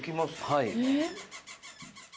はい。